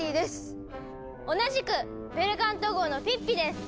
同じくベルカント号のピッピです！